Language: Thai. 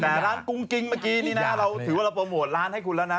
แต่ร้านกุ้งกิ้งเมื่อกี้นี่นะเราถือว่าเราโปรโมทร้านให้คุณแล้วนะ